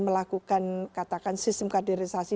melakukan katakan sistem kaderisasi